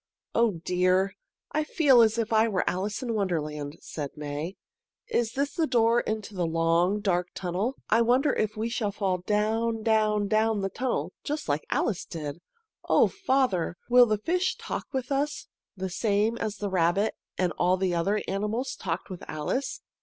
"Oh, dear! I feel as if I were Alice in Wonderland," said May. "Is this the door into the long, dark tunnel? I wonder if we shall fall down, down, down the tunnel just as Alice did. O father! Will the fish talk with us, the same as the rabbit and all the other animals talked with Alice?"